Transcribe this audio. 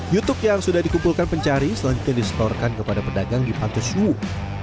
youtube yang sudah dikumpulkan pencari selanjutnya disetorkan kepada pedagang di panti suhu